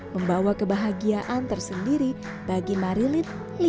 membawa kebahagiaan tersendiri bagi marilin lima